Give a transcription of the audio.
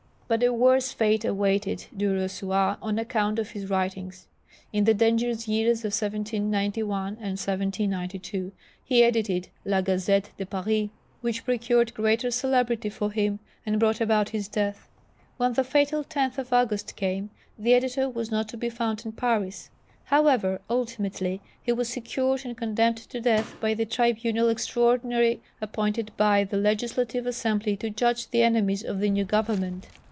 But a worse fate awaited Du Rosoi on account of his writings. In the dangerous years of 1791 and 1792 he edited La Gazette de Paris, which procured greater celebrity for him, and brought about his death. When the fatal tenth of August came, the Editor was not to be found in Paris. However, ultimately he was secured and condemned to death by the tribunal extraordinary appointed by the Legislative Assembly to judge the enemies of the new government.